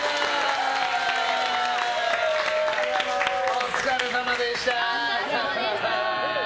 お疲れさまでした。